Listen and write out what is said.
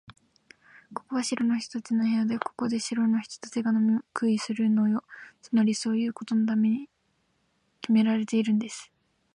ここは城の人たちの部屋で、ここで城の人たちが飲み食いするのよ。つまり、そういうことのためにきめられているんです。